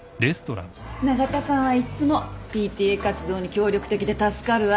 永田さんはいつもＰＴＡ活動に協力的で助かるわ。